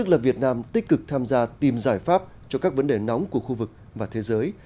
làm tích cực tham gia tìm giải pháp cho các vấn đề nóng của khu vực và thế giới